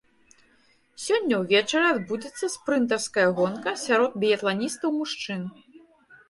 Сёння ўвечары адбудзецца спрынтарская гонка сярод біятланістаў-мужчын.